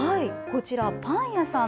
こちらパン屋さん